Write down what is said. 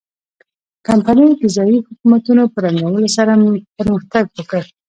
کمپنۍ د ځايي حکومتونو په ړنګولو سره پرمختګ وکړ.